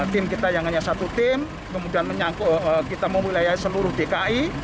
tim kita yang hanya satu tim kemudian menyangkut kita memulai seluruh dki